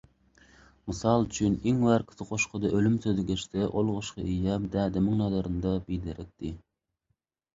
Mysal üçin, iň bärkisi goşgyda “ölüm" sözi geçse ol goşgy eýýäm dädemiň nazarynda “biderekdi".